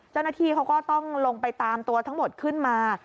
เจ้าหน้าที่เขาก็ต้องลงไปตามตัวทั้งหมดขึ้นมา